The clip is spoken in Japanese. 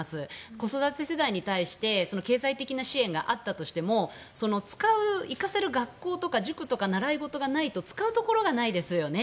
子育て世代に対して経済的な支援があったとしても使う、行かせる学校とか塾とか習い事がないと使うところがないですよね。